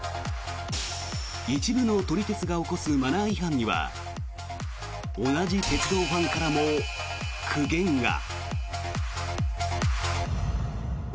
一部の撮り鉄が起こすマナー違反には同じ鉄道ファンからも苦言が。